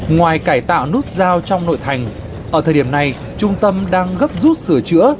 ngoài cải tạo nút giao trong nội thành ở thời điểm này trung tâm đang gấp rút sửa chữa